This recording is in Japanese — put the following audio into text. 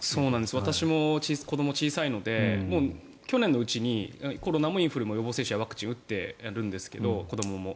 私も子どもが小さいので去年のうちにコロナもインフルもワクチン接種は受けているんですが子どもも。